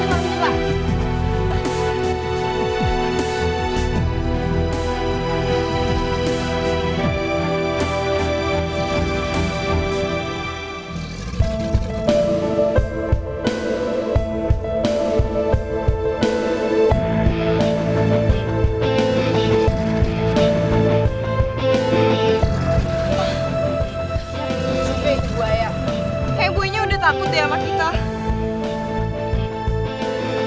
kayaknya boynya udah takut deh sama kita